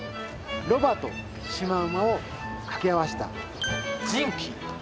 ロバとシマウマを掛け合わせたジンキー。